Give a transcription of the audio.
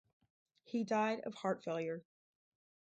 He died of heart failure.